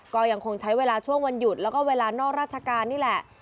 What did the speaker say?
ก็ยังคงใช้เวลาช่วงวันหยุดแล้วก็เวลานอกราชการนี่แหละ